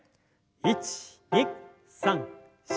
１２３４。